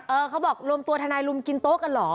เขาบอกรวมตัวทนายลุมกินโต๊ะกันเหรอ